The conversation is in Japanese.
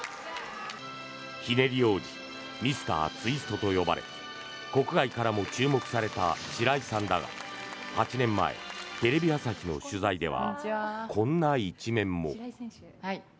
ひねり王子ミスター・ツイストと呼ばれ国外からも注目された白井さんだが８年前、テレビ朝日の取材ではこんな一面も。